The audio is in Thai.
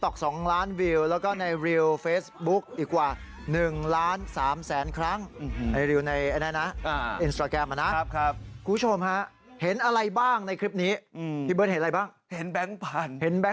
กลายเป็นประเด็นดราม่าในโลกโซเชียลเลยคุณผู้ชมไปดูคลิปกันก่อนนะฮะ